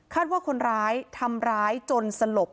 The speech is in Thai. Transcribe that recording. ว่าคนร้ายทำร้ายจนสลบ